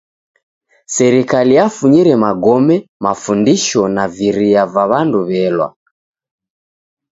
Serikali yafunyire magome, mafundisho naviria va w'andu w'elwa.